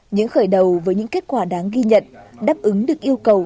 những khởi đầu với những kết quả đáng ghi nhận đáp ứng được yêu cầu